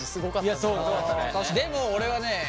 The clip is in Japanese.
でも俺はね